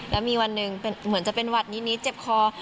แล้วมีวันหนึ่งเหมือนจะเป็นหวัดนิดเจ็บคอ